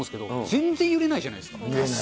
全然揺れないじゃないですか。